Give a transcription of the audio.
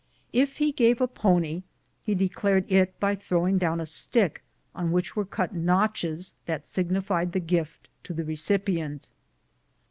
If he gave a pony, he de clared it by throwing down a stick on which were cut notches that signified the gift to the recipient.